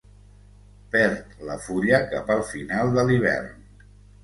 Perd la fulla cap al final de l'hivern.